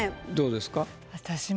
どうですか？